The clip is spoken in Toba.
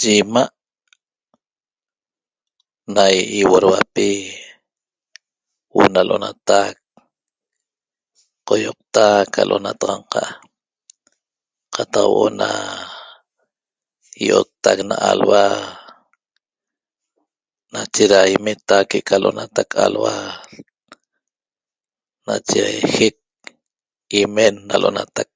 Yi ima' na ihuaduapi huo'o na lo'onatac qoyoqta ca lo'onataxanqa qataq huo'o na i'ottac na alhua nache da imeta que'eca lo'onatac alhua nache jec imen na lo'onatac